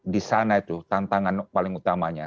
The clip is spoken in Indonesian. di sana itu tantangan paling utamanya